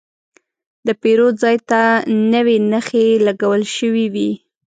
د پیرود ځای ته نوې نښې لګول شوې وې.